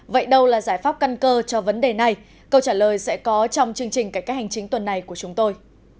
vậy đâu là giải pháp căn cơ cho vấn đề này câu trả lời sẽ có trong chương trình cải cách hành chính tuần này của chúng tôi